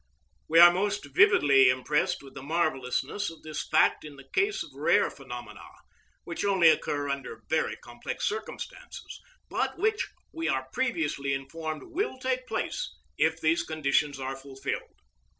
We are most vividly impressed with the marvellousness of this fact in the case of rare phenomena, which only occur under very complex circumstances, but which we are previously informed will take place if these conditions are fulfilled.